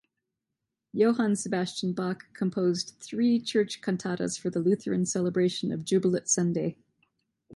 Johann Sebastian Bach composed three church cantatas for the Lutheran celebration of Jubilate Sunday.